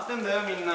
みんな。